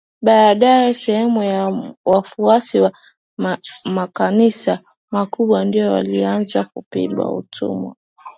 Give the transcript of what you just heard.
baadaye sehemu ya wafuasi wa makanisa makubwa ndio walianza kupinga utumwa